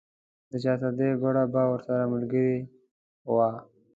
د چارسدې ګوړه به ورسره ملګرې وه.